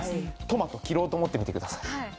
トマト切ろうと思ってみてください。